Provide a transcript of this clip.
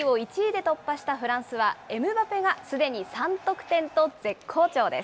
グループＤを１位で突破したフランスは、エムバペがすでに３得点と絶好調です。